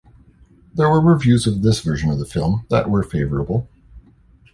There were reviews of this version of the film that were favorable.